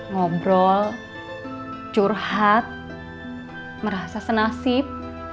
ngobrol curhat merasa senasib